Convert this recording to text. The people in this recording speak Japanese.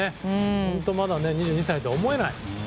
本当まだ２２歳とは思えない。